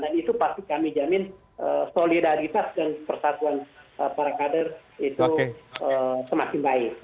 nah itu pasti kami jamin solidaritas dan persatuan para kader itu semakin baik